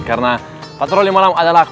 karena patroli malam adalah